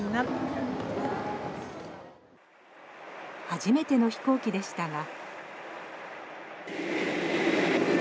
初めての飛行機でしたが。